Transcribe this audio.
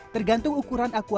tergantung ukuran aquascapenya